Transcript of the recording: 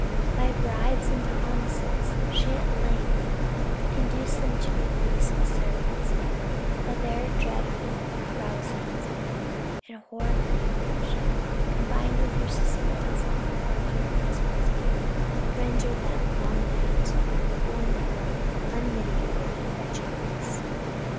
By bribes and promises she at length induced them to release the servants; but their dreadful carousings, and horrid language, combined with her suspense in regard to her husband's fate, rendered that long night one of unmitigated wretchedness.